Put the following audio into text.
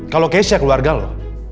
kalau keisha keluarga lo